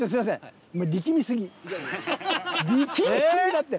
力みすぎだって！